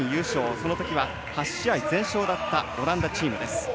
そのときは８試合全勝だったオランダチームです。